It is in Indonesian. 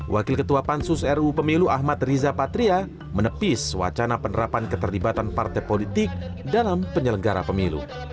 wakil ketua pansus ruu pemilu ahmad riza patria menepis wacana penerapan keterlibatan partai politik dalam penyelenggara pemilu